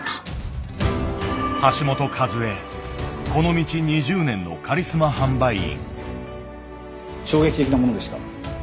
この道２０年のカリスマ販売員。